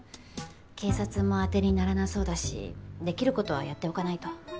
警察もあてにならなそうだしできることはやっておかないと。